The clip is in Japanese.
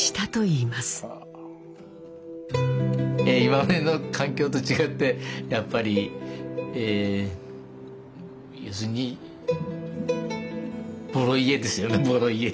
今までの環境と違ってやっぱり要するにボロ家ですよね。